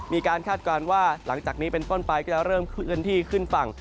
คาดการณ์ว่าหลังจากนี้เป็นต้นไปก็จะเริ่มเคลื่อนที่ขึ้นฝั่ง